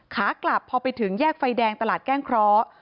ขากลับพอไปถึงแยกไฟแดงตลาดแก้งเคราะห์